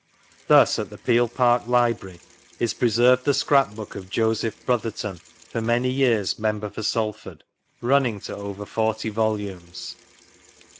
Thus, at the Fed Park Library is [H'eserved the scrap book of JosefA Brotherton (for many years Member for Salford), running to over forty volumes.